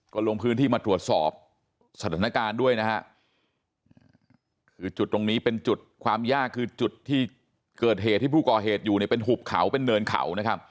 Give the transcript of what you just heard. ก็ลงพื้นที่มาตรวจสอบสถานการณ์ด้วยนะฮะคือจุดตรงนี้เป็นจุดความยากคือจุดที่เกิดเหตุที่ผู้ก่อเหตุอยู่เนี่ยเป็นหุบเขาเป็นเนินเขานะครับ